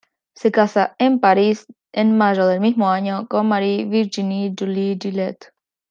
Se casa en París, en mayo del mismo año, con Marie-Virginie-Julie Gillet.